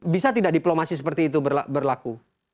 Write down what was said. bisa tidak diplomasi seperti itu berlaku